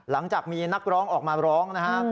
หลังจากมีนักร้องออกมาร้องนะฮะ